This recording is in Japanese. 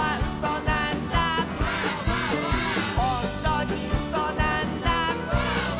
「ほんとにうそなんだ」